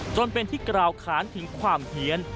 จนเป็นที่กล่าวขานถึงความเฮียน